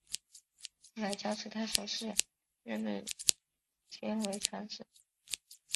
后来交趾太守士燮任命程秉为长史。